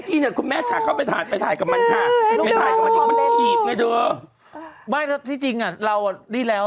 ใช่ตกใจจังเลย